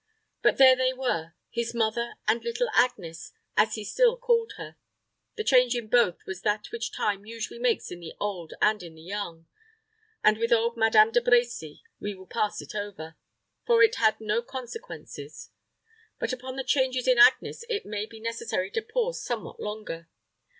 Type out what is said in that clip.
But there they were his mother and little Agnes, as he still called her. The change in both was that which time usually makes in the old and in the young; and with old Madame De Brecy we will pass it over, for it had no consequences. But upon the changes in Agnes it may be necessary to pause somewhat longer.